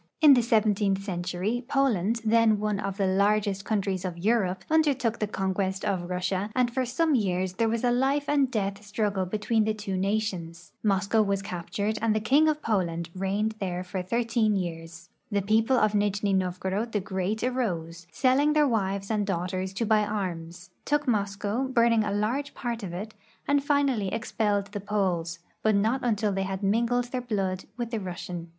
In the seventeentli century Poland, then one of the largest countries of Europe, undertook the conquest of Russia, and for some years there was a life and death struggle between the two nations. Moscow was captured and the king of Poland reigned there for thirteen years. The people of Nijni Novgorod the Great arose, selling their wives and daughters to buy arms, took Moscow, burning a large part of it, and finally expelled the Poles, but not until they had mingled their blood with the Rus sian.